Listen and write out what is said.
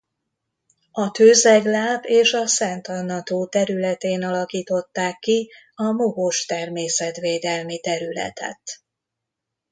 A tőzegláp és a Szent Anna-tó területén alakították ki a Mohos Természetvédelmi Területet.